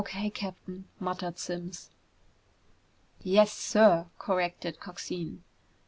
K., Captain," muttered Simms. "Yes, sir!" corrected Coxine.